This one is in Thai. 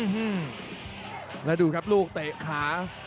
หื้อฮื้มและดูครับลูกเทขา